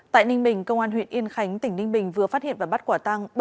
tại ninh bình công an huyện yên khánh tỉnh ninh bình vừa phát hiện và bắt quả tăng